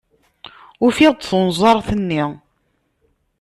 Ufiɣ-d tunẓart-nni.